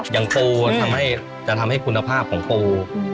อย่างกูจะทำให้คุณภาพของกู